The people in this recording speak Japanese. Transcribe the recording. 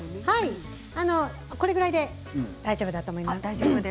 これぐらいで大丈夫だと思います。